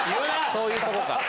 そういうとこか。